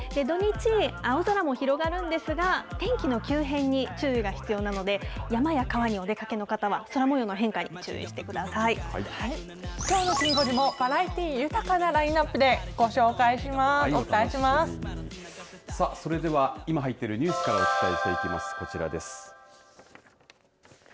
土日、青空も広がるんですが天気の急変に注意が必要なので山や川にお出かけの方は空模様の変化にきょうのきん５時もバラエティー豊かなラインアップでそれでは今入っているニュースからお伝えしていきます。